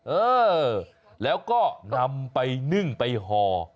เออแล้วก็นำไปนึ่งไปห่อ